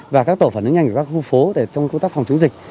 và các tổ phản ứng nhanh của các khu phố để trong công tác phòng chống dịch